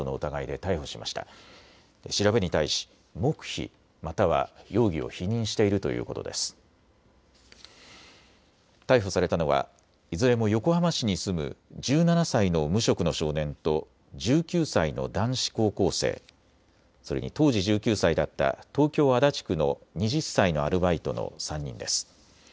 逮捕されたのはいずれも横浜市に住む１７歳の無職の少年と１９歳の男子高校生、それに当時１９歳だった東京足立区の２０歳のアルバイトの３人です。